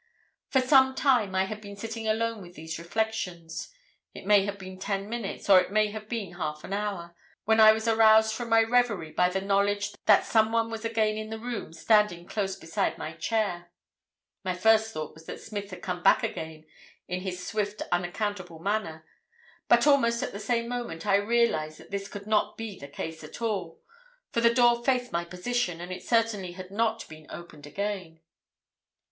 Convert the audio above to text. "For some time I had been sitting alone with these reflections—it may have been ten minutes or it may have been half an hour—when I was aroused from my reverie by the knowledge that someone was again in the room standing close beside my chair. My first thought was that Smith had come back again in his swift, unaccountable manner, but almost at the same moment I realised that this could not be the case at all. For the door faced my position, and it certainly had not been opened again.